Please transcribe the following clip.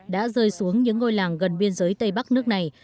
đã rơi xuống những ngôi làng gần biên giới tây bắc nước này